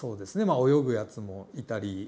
まあ泳ぐやつもいたり。